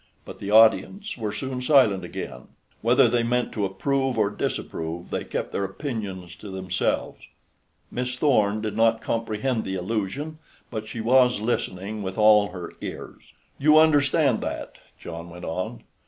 But the audience were soon silent again. Whether they meant to approve or disapprove, they kept their opinions to themselves. Miss Thorn did not comprehend the allusion, but she was listening with all her ears. "You understand that," John went on.